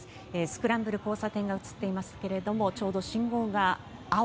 スクランブル交差点が映っていますけれどもちょうど信号が青。